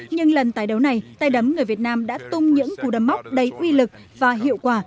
nhưng lần tái đấu này tay đấm người việt nam đã tung những cú đấm móc đầy uy lực và hiệu quả